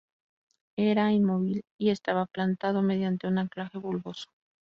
Era inmóvil y estaba plantado mediante un anclaje bulboso.